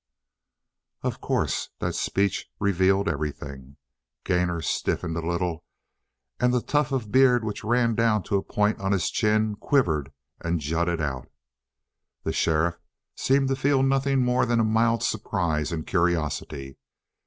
Of course, that speech revealed everything. Gainor stiffened a little and the tuft of beard which ran down to a point on his chin quivered and jutted out. The sheriff seemed to feel nothing more than a mild surprise and curiosity.